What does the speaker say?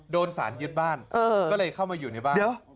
โดนสารยึดบ้านก็เลยเข้ามาอยู่ในบ้าน